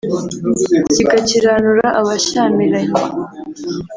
zigakiranura abashyamiranye